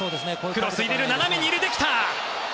クロスを入れる斜めに入れてきた！